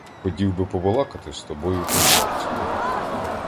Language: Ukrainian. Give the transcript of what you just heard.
Хотів би я побалакати з тобою по серцю.